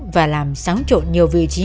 và làm sáng trộn nhiều vị trí